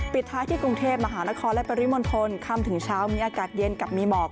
ปิดท้ายที่กรุงเทพมหานครและปริมณฑลค่ำถึงเช้ามีอากาศเย็นกับมีหมอก